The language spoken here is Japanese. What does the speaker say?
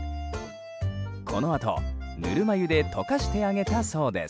このあと、ぬるま湯で解かしてあげたそうです。